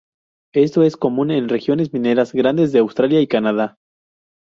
Esto es común en regiones mineras grandes de Australia y Canadá.